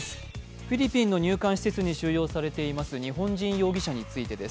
フィリピンの入管施設に収容されている日本人容疑者についてです。